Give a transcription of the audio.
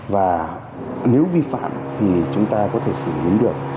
và nếu vi phạm thì chúng ta có thể xử lý được